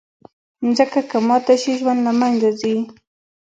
مځکه که ماته شي، ژوند له منځه ځي.